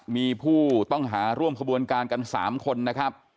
มีผู้ต้องหาร่วมขบวนการกัน๓คนนะครับ